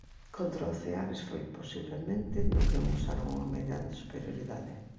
Contra o Ceares foi, posiblemente, no que amosaron unha meirande superioridade.